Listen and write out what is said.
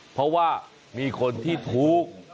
เพราะว่ามีคนที่ถูก